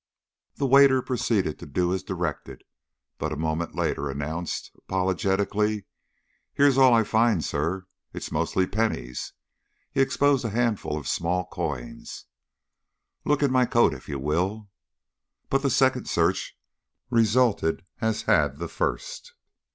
The waiter proceeded to do as directed, but a moment later announced, apologetically: "Here's all I find, sir. It's mostly pennies." He exposed a handful of small coins. "Look in my coat, if you will." But the second search resulted as had the first.